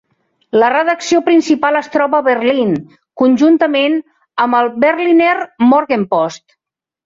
La redacció principal es troba a Berlín, conjuntament amb el "Berliner Morgenpost".